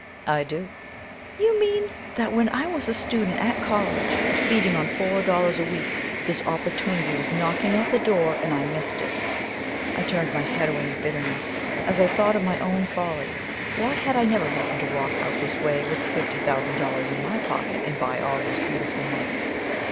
"I do." "You mean that when I was a student at college, feeding on four dollars a week, this opportunity was knocking at the door and I missed it?" I turned my head away in bitterness as I thought of my own folly. Why had I never happened to walk out this way with fifty thousand dollars in my pocket and buy all this beautiful mud?